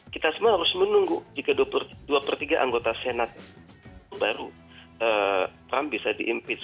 kita semua harus menunggu jika dua per tiga anggota senat baru trump bisa diimpeach